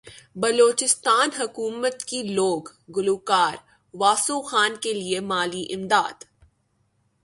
بلوچستان حکومت کی لوک گلوکار واسو خان کیلئے مالی امداد